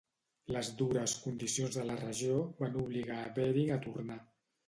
Les dures condicions de la regió van obligar a Bering a tornar.